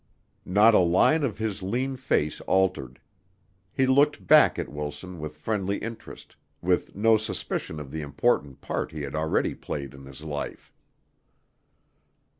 Not a line of his lean face altered. He looked back at Wilson with friendly interest with no suspicion of the important part he had already played in his life.